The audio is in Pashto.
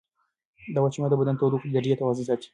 دا وچه مېوه د بدن د تودوخې د درجې توازن ساتي.